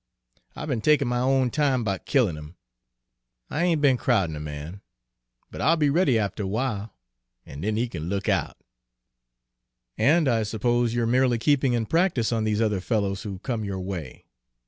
I be'n takin' my own time 'bout killin' 'im; I ain' be'n crowdin' de man, but I'll be ready after a w'ile, an' den he kin look out!" "And I suppose you're merely keeping in practice on these other fellows who come your way.